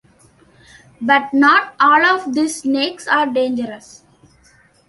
But not all of these snakes are dangerous.